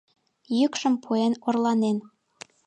Йӱкшым пуэн орланен.